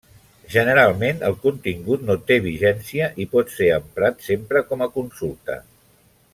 Generalment, el contingut no té vigència i pot ser emprat sempre com a consulta.